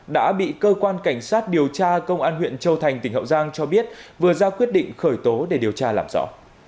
đã bị cơ quan cảnh sát điều tra công an huyện châu thành tỉnh hậu giang cho biết vừa ra quyết định khởi tố để điều tra làm rõ